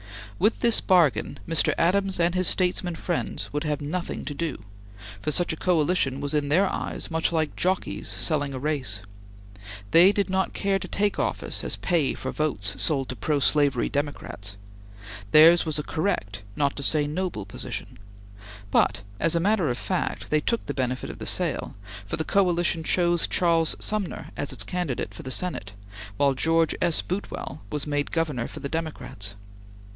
With this bargain Mr. Adams and his statesman friends would have nothing to do, for such a coalition was in their eyes much like jockeys selling a race. They did not care to take office as pay for votes sold to pro slavery Democrats. Theirs was a correct, not to say noble, position; but, as a matter of fact, they took the benefit of the sale, for the coalition chose Charles Sumner as its candidate for the Senate, while George S. Boutwell was made Governor for the Democrats.